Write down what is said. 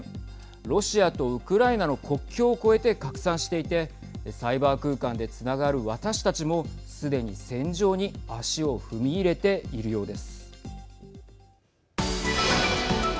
ロシアとウクライナの国境を越えて拡散していてサイバー空間でつながる私たちもすでに戦場に足を踏み入れているようです。